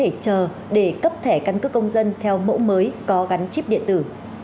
bộ công an có thể chờ để cấp thẻ căn cứ công dân theo mẫu mới có gắn chip điện tử